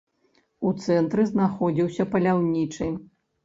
У цэнтры знаходзіўся паляўнічы.